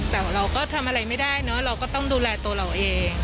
แต่เราก็ทำอะไรไม่ได้เนอะเราก็ต้องดูแลตัวเราเอง